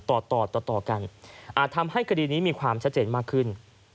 ต่อต่อกันอาจทำให้คดีนี้มีความชัดเจนมากขึ้น